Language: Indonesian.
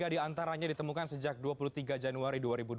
tiga diantaranya ditemukan sejak dua puluh tiga januari dua ribu dua puluh